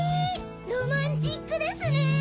ロマンチックですね！